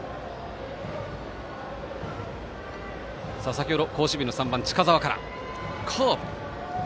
先ほど好守備の３番、近澤から。